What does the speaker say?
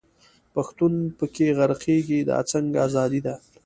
پښتون په کښي غرقېږي، دا څنګه ازادي ده.